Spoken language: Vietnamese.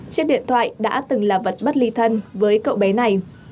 chiếc điện thoại đã từng là vật bất ly thân với cậu bé này